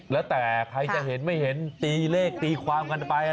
แล้วแต่ใครจะเห็นไม่เห็นตีเลขตีความกันไป